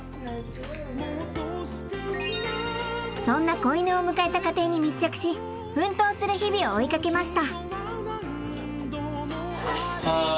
そんな子犬を迎えた家庭に密着し奮闘する日々を追いかけました。